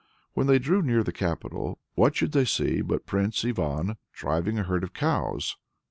When they drew near to the capital, what should they see but Prince Ivan driving a herd of cows!